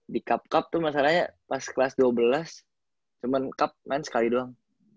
di cup cup tuh masalahnya pas kelas dua belas cuman cup main sekali doang